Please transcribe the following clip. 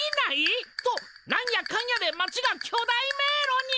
っとなんやかんやで町が巨大迷路に！